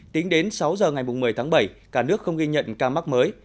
tính đến sáu giờ ngày một mươi tháng bảy cả nước không ghi nhận ca mắc mới